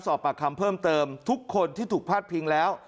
สอบปากคำเพิ่มเติมทุกคนที่ถูกพาดพิงแล้ว